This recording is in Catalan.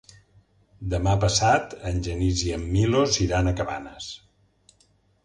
Demà passat en Genís i en Milos iran a Cabanes.